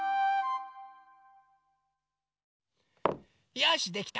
よしできた！